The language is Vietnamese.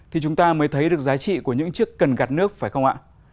thì chúng ta mới thấy được giá trị của những chiếc cần gạt nước phải không ạ